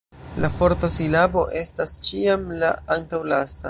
La forta silabo estas ĉiam la antaŭlasta.